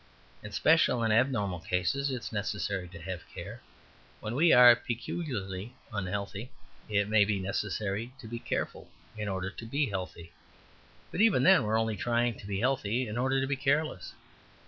In special and abnormal cases it is necessary to have care. When we are peculiarly unhealthy it may be necessary to be careful in order to be healthy. But even then we are only trying to be healthy in order to be careless.